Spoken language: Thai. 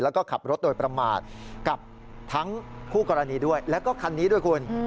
แล้วก็ขับรถโดยประมาทกับทั้งคู่กรณีด้วยแล้วก็คันนี้ด้วยคุณ